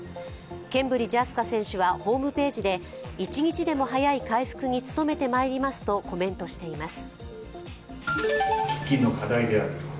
ケンブリッジ飛鳥選手はホームページで一日でも早い回復に努めてまいりますとコメントしています。